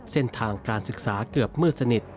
เส้นทางการศึกษาเกือบมืดสนิท